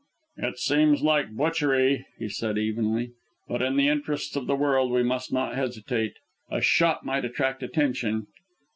"It seems like butchery," he said evenly, "but, in the interests of the world, we must not hesitate. A shot might attract attention.